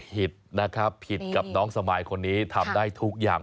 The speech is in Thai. ผิดนะครับผิดกับน้องสมายคนนี้ทำได้ทุกอย่าง